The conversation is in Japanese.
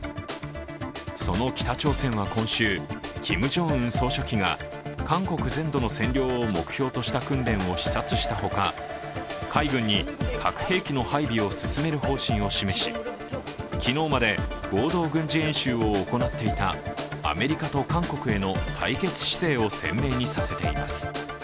その北朝鮮は今週、キム・ジョンウン総書記が韓国全土の占領を目標とした訓練を視察したほか海軍に核兵器の配備を進める方針を示し昨日まで合同軍事演習を行っていたアメリカと韓国への対決姿勢を鮮明にさせています。